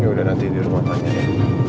yaudah nanti di rumah tanya ya